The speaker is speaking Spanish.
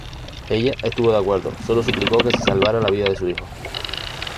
Ella estuvo de acuerdo, solo suplicó que se salvara la vida de su hijo.